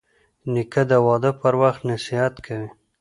نیکه د واده پر وخت نصیحت کوي.